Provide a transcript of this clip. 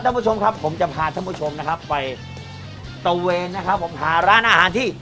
ท่านผู้ชมครับผมจะพาท่านผู้ชมนะครับไปตะเวนนะครับผมหาร้านอาหารที่